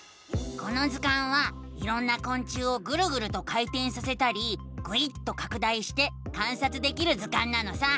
この図鑑はいろんなこん虫をぐるぐると回てんさせたりぐいっとかく大して観察できる図鑑なのさ！